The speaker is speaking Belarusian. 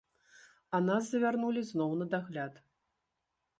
А нас завярнулі зноў на дагляд.